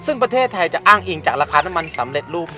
ซึ่งประเทศไทยจะอ้างอิงจากราคาน้ำมันสำเร็จรูป